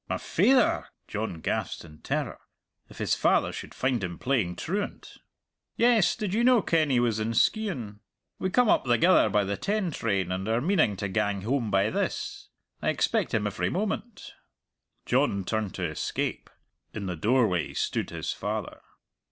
"My faither!" John gasped in terror. If his father should find him playing truant! "Yes; did ye no ken he was in Skeighan? We come up thegither by the ten train, and are meaning to gang hame by this. I expect him every moment." John turned to escape. In the doorway stood his father.